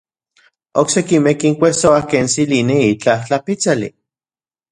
Oksekimej kinkuejsoa ken tsilini itlaj tlapitsali.